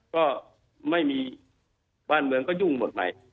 ก็ไม่มีบ้านเมืองก็ยุ่งหมดไป